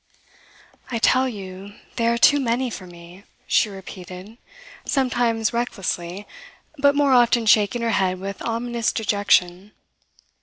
"I tell you they are too many for me," she repeated, sometimes recklessly, but more often shaking her head with ominous dejection.